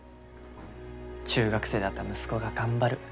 中学生だった息子が頑張る。